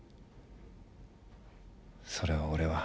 それを俺は。